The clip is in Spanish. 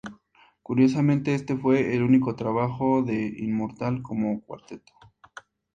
Curiosamente este fue el único trabajo de Immortal como cuarteto.